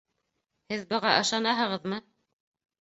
Һеҙ быға ышанаһығыҙмы?